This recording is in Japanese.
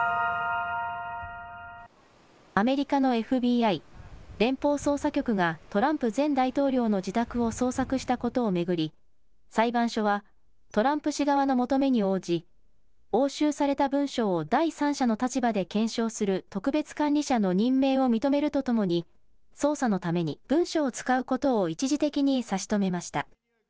アメリカのＦＢＩ・連邦捜査局がトランプ前大統領の自宅を捜索したことを巡り、裁判所はトランプ氏側の求めに応じ押収された文書を第三者の立場で検証する特別管理者の任命を認めるとともに捜査のために文書を使うことを一時的に差し止めました。